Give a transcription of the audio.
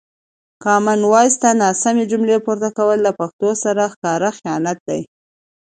کامن وایس ته ناسمې جملې پورته کول له پښتو سره ښکاره خیانت دی.